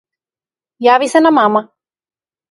Јави се на мама.